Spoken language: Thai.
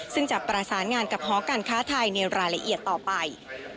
ซึ่งจะประสานงานกับหอการค้าไทยในรายละเอียดต่อไป